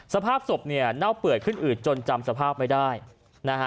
สภาพศพเนี่ยเน่าเปื่อยขึ้นอืดจนจำสภาพไม่ได้นะฮะ